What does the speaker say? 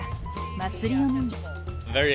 祭りを見に。